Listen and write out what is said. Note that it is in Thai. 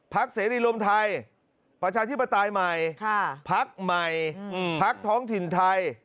เสรีรวมไทยประชาธิปไตยใหม่พักใหม่พักท้องถิ่นไทย